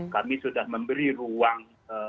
kami sudah memberi ruang